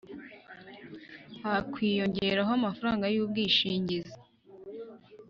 hakwiyongeraho amafaranga y’ubwishingizi